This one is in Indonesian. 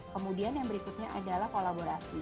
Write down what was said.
kemudian yang berikutnya adalah kolaborasi